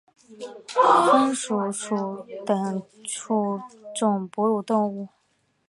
鼢鼠属等数种哺乳动物。